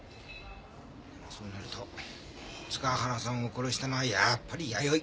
でもそうなると塚原さんを殺したのはやっぱり弥生。